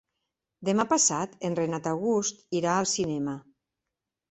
Demà passat en Renat August irà al cinema.